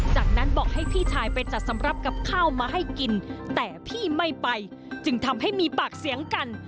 จากนั้นบอกให้พี่ชายไปจัดสำหรับกับข้าวมาให้กินแต่พี่ไม่ไปจึงทำให้มีปากเสียงกัน